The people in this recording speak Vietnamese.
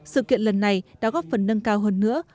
sự kiện lần này đã góp phần nâng cao hơn nữa